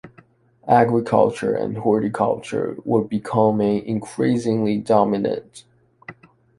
Agriculture and horticulture were becoming increasingly dominant.